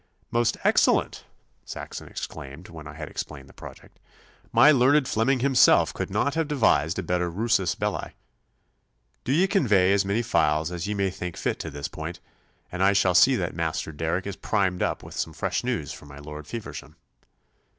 'Most excellent!' Saxon exclaimed, when I had explained the project. 'My learned Fleming himself could not have devised a better rusus belli. Do ye convey as many files as ye may think fit to this point, and I shall see that Master Derrick is primed up with some fresh news for my Lord Feversham.